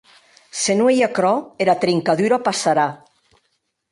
Se non ei qu’aquerò, era trincadura passarà.